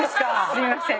すいません。